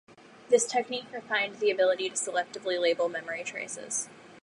This technique refined the ability to selectively label memory traces.